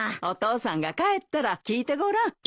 お父さんが帰ったら聞いてごらん。